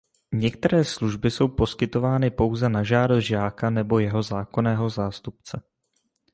Některé služby jsou poskytovány pouze na žádost žáka nebo jeho zákonného zástupce.